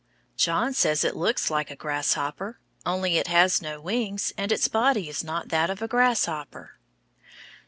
John says it looks like a grasshopper, only it has no wings and its body is not that of a grasshopper.